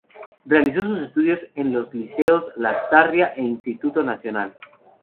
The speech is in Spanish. Realizó sus estudios en los liceos Lastarria e Instituto Nacional.